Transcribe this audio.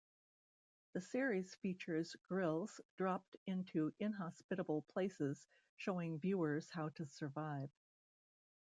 The series features Grylls dropped into inhospitable places, showing viewers how to survive.